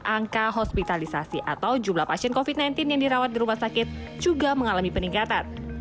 angka hospitalisasi atau jumlah pasien covid sembilan belas yang dirawat di rumah sakit juga mengalami peningkatan